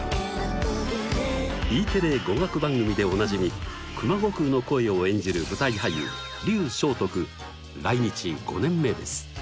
Ｅテレ語学番組でおなじみ熊悟空の声を演じる舞台俳優劉鍾来日５年目です。